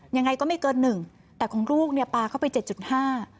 ยังไงก็ไม่เกินหนึ่งแต่ของลูกเนี่ยปลาเข้าไปเจ็ดจุดห้า